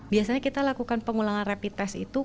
biasanya kita lakukan pengulangan rapid test itu